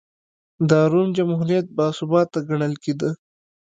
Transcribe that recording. د روم جمهوریت باثباته ګڼل کېده.